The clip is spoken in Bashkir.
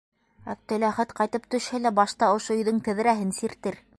Әптеләхәт ҡайтып төшһә лә башта ошо өйҙөң тәҙрәһен сиртер...